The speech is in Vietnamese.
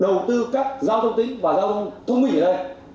đầu tư các giao thông tính và giao thông thông minh ở đây